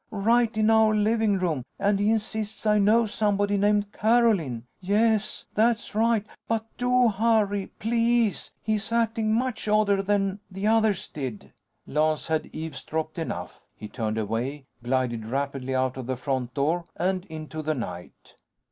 Right in our living room. And he insists I know somebody named Carolyn ... Yes, that's right. But do hurry ... Please. He's acting much odder than the others did." Lance had eavesdropped enough. He turned away, glided rapidly out the front door and into the night.